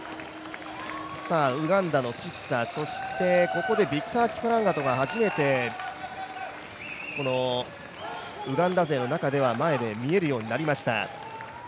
ウガンダのキッサ、そしてここでビクター・キプランガトが初めて、このウガンダ勢の中では前で見えるようになりました。